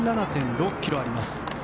１７．６ｋｍあります。